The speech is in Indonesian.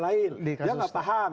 di kasus lain dia tidak paham